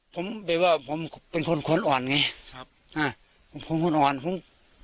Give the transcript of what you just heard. ผมแบบว่าผมเป็นคนคนอ่อนไงครับอ่าผมคนอ่อนผม